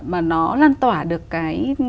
mà nó lan tỏa được cái